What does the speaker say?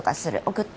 送って。